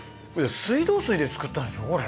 水道水で造ったんでしょこれ？